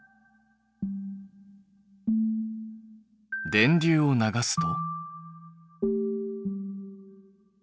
電流を流すと？